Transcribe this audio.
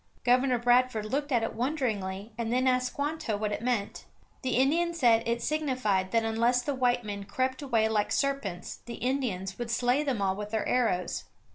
Governor Bradford looked at it wonderingly and then asked Squanto what it meant. The Indian said it signified that unless the white men crept away like serpents the Indians would slay them all with their arrows.